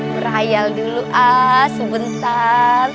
berayal dulu ah sebentar